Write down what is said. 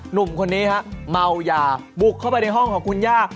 หนุ่มคนนี้ฮะเมายาบุกเข้าไปในห้องของคุณย่า